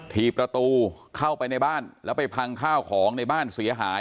ทีประตูเข้าไปในบ้านแล้วไปพังข้าวของในบ้านเสียหาย